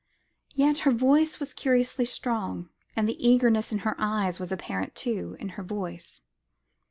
Yet her voice was curiously strong, and the eagerness in her eyes was apparent, too, in her voice.